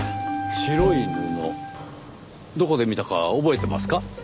どこで見たか覚えていますか？